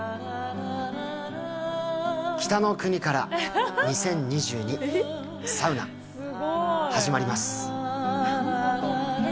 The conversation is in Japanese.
北の国から２０２２サウナ、始まります。